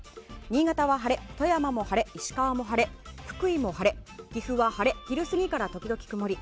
新潟は晴れ富山も晴れ、石川も晴れ福井も晴れ、岐阜は晴れ昼過ぎから時々曇り。